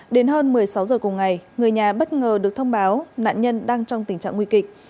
đến hơn một mươi sáu giờ cùng ngày người nhà bất ngờ được thông báo nạn nhân đang trong tình trạng nguy kịch